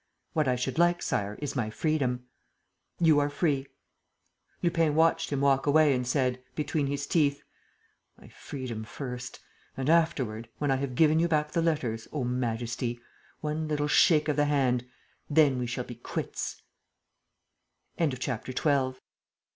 "What I should like, Sire, is my freedom." "You are free." Lupin watched him walk away and said, between his teeth: "My freedom first. ... And afterward, when I have given you back the letters, O Majesty, one little shake of the hand!